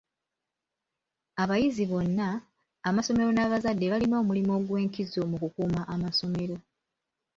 Abayizi bonna, amasomero n'abazadde balina omulimu ogw'enkizo mu kukuuma amasomero